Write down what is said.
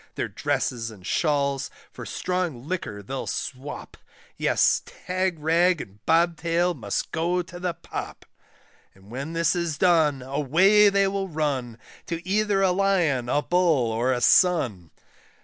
Their dresses and shawls for strong liquor they'll swop, Yes, Tagrag and Bobtail must go to the pop; And when this is done, away they will run, To either a Lion, a Bull, or a Sun.